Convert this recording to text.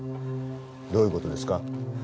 どういう事ですか？